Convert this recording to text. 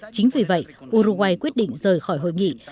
chính vì vậy uruguay quyết định rời khỏi hội nghị